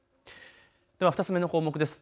では２つ目の項目。